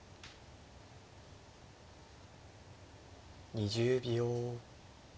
２０秒。